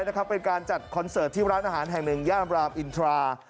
เป็นการจัดคอนเสิร์ตที่ร้านอาหารแห่งหนึ่งย่านรามอินทรา